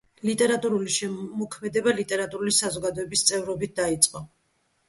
ლიტერატურული შემოქმედება ლიტერატურული საზოგადოების წევრობით დაიწყო.